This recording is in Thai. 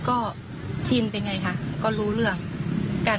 และที่สำคัญก็มีอาจารย์หญิงในอำเภอภูสิงอีกเหมือนกัน